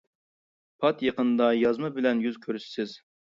پات يېقىندا يازما بىلەن يۈز كۆرۈشىسىز.